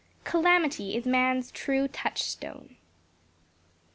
"Calamity is man's true touch stone."